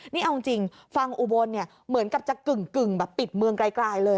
นี่เอาจริงฟังอุบลเนี่ยเหมือนกับจะกึ่งแบบปิดเมืองไกลเลย